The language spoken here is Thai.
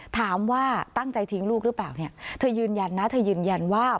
ถามว่าตั้งใจทิ้งลูกหรือเปล่าเนี่ยเธอยืนยันนะเธอยืนยันว่า